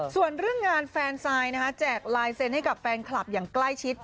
ส่วนเรื่องงานแฟนทรายแจกลายเซ็นต์ให้กับแฟนคลับอย่างใกล้ชิด